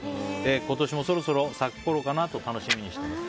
今年もそろそろ咲くころかなと楽しみにしています。